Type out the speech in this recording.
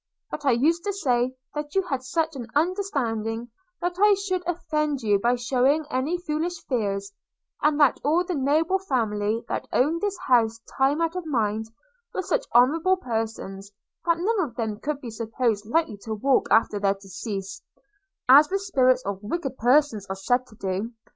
But I used to say, that you had such an understanding, that I should offend you by shewing any foolish fears; and that all the noble family that owned this house time out of mind, were such honourable persons, that none of them could be supposed likely to walk after their decease, as the spirits of wicked persons are said to do.